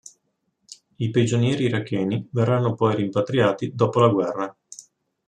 I prigionieri iracheni verranno poi rimpatriati dopo la guerra.